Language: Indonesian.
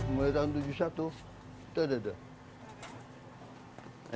mulai tahun seribu sembilan ratus tujuh puluh satu tuh duh duh